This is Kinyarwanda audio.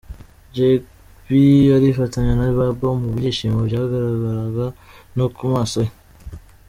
Jack B arifatanya na Babo mu byishimo byagaragaraga no ku maso ye.